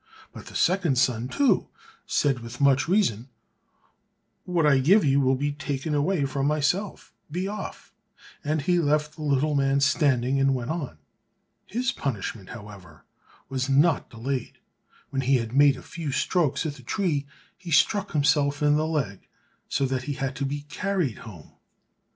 But the second son, too, said with much reason, "What I give you will be taken away from myself; be off!" and he left the little man standing and went on. His punishment, however, was not delayed; when he had made a few strokes at the tree he struck himself in the leg, so that he had to be carried home.